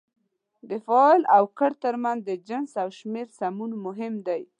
د فاعل او کړ ترمنځ د جنس او شمېر سمون مهم دی.